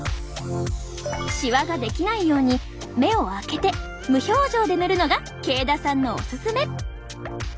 シワが出来ないように目を開けて無表情で塗るのが慶田さんのおすすめ。